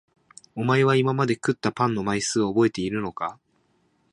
お前は今まで食ったパンの枚数を覚えているのか？